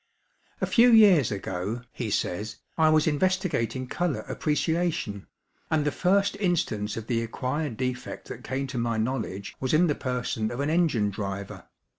'A few years ago,' he says, 'I was investigating colour appreciation, and the first instance of the acquired defect that came to my knowledge was in the person of an engine driver.